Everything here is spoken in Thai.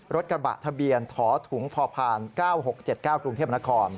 รถกระบะทะเบียนถอถุงพพ๙๖๗๙กรุงเทพนคร